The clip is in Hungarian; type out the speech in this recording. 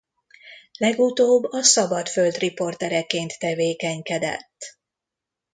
Legutóbb a Szabad Föld riportereként tevékenykedett.